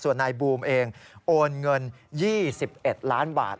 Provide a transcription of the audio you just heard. ส่วนนายบูมเองโอนเงิน๒๑ล้านบาท